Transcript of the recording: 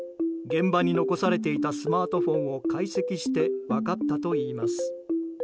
現場に残されていたスマートフォンを解析して分かったといいます。